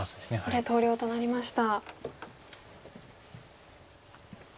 ここで投了となりました。